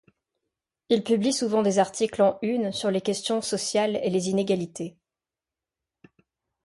Il publie souvent des articles en Une sur les questions sociales et les inégalités.